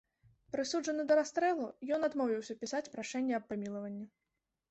Прысуджаны да расстрэлу, ён адмовіўся пісаць прашэнне аб памілаванні.